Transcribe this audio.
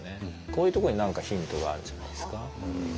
こういうところに何かヒントがあるんじゃないですか。